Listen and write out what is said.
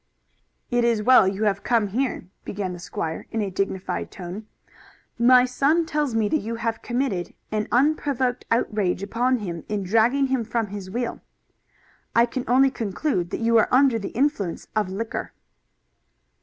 "It is well you have come here," began the squire in a dignified tone. "My son tells me that you have committed an unprovoked outrage upon him in dragging him from his wheel. I can only conclude that you are under the influence of liquor."